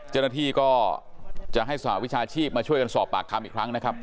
เจ้าหน้าที่ก็จะให้สหวิชาชีพมาช่วยกันสอบปากคำอีกครั้งนะครับ